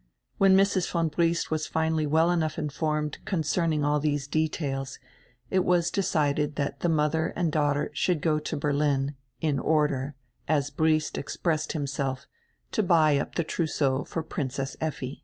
When Mrs. von Briest was finally well enough informed concerning all diese details it was decided diat die mother and daughter should go to Berlin, in order, as Briest expressed himself, to buy up the trous seau for Princess Effi.